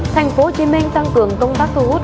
tp hcm tăng cường công tác thu hút